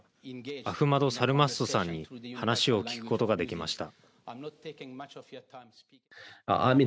アフマド・サルマストさんに話を聞くことができました。